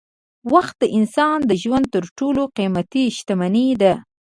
وخت د انسان د ژوند تر ټولو قېمتي شتمني ده.